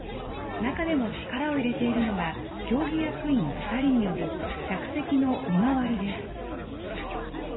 中でも力を入れているのが、競技役員２人による客席の見回りです。